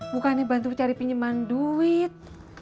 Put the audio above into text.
bukannya bantu cari pinjaman duit